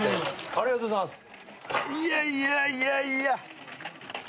ありがとうございます。